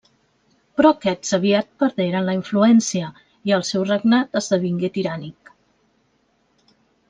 Però aquests aviat perderen la influència, i el seu regnat esdevingué tirànic.